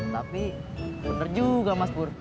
tapi bener juga mas pur